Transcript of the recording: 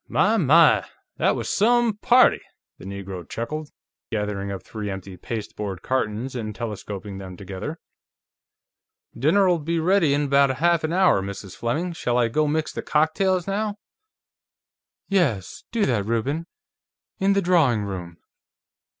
"My, my; that was some party!" the Negro chuckled, gathering up three empty pasteboard cartons and telescoping them together. "Dinner'll be ready in about half an hour, Mrs. Fleming. Shall I go mix the cocktails now?" "Yes; do that, Reuben. In the drawing room."